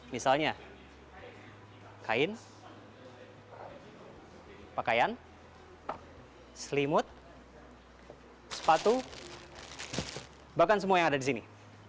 misalnya kain pakaian selimut sepatu bahkan semua yang ada di sini